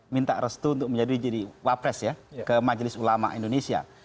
minta restu untuk menjadi wapres ya ke majelis ulama indonesia